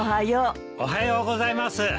おはようございます。